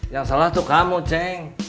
yang salah itu kamu ceng